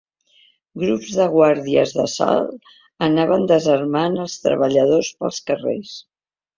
Grups de Guàrdies d'Assalt anaven desarmant els treballadors pels carrers.